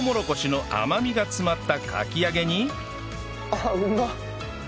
ああうまっ！